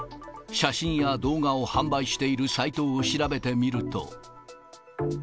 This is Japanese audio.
写真や動画を販売しているサイトを調べてみると。